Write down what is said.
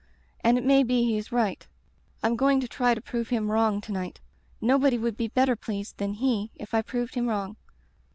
And it may be he is right. Fm going to try to prove him wrong to night. Nobody would be better pleased than he if I proved him wrong.'